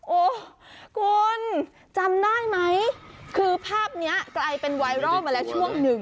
โอ้โหคุณจำได้ไหมคือภาพนี้กลายเป็นไวรัลมาแล้วช่วงหนึ่ง